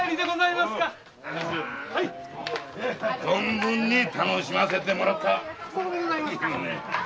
亭主存分に楽しませてもらった。